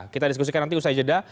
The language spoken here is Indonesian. kita diskusikan nanti usai jeda